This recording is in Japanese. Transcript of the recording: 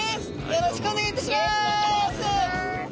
よろしくお願いします。